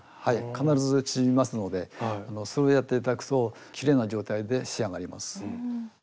必ず縮みますのでそれをやって頂くときれいな状態で仕上がります。